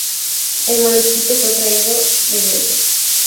El manuscrito fue traído de Grecia.